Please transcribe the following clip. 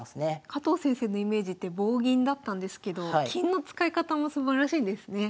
加藤先生のイメージって棒銀だったんですけど金の使い方もすばらしいですね。